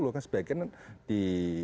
kan sebaiknya di